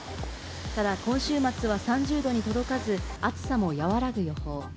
ただ、今週末は３０度に届かず、暑さも和らぐ予報。